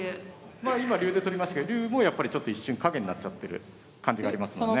まあ今竜で取りましたけど竜もやっぱりちょっと一瞬陰になっちゃってる感じがありますもんね。